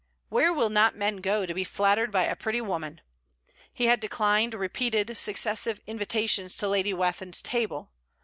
Where will not men go to be flattered by a pretty woman! He had declined repeated, successive invitations to Lady Wathin's table.